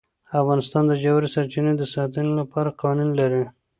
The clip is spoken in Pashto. افغانستان د ژورې سرچینې د ساتنې لپاره قوانین لري.